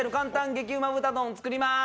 激うま豚丼、作ります！